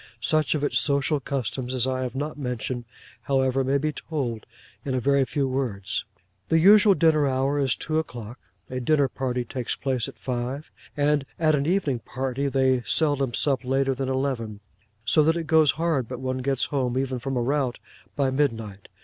Such of its social customs as I have not mentioned, however, may be told in a very few words. The usual dinner hour is two o'clock. A dinner party takes place at five; and at an evening party, they seldom sup later than eleven; so that it goes hard but one gets home, even from a rout, by midnight.